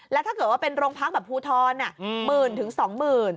แล้วถ้าเกิดว่าเป็นโรงพักแบบภูทร